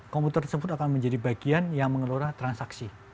komputer tersebut akan menjadi bagian yang mengelola transaksi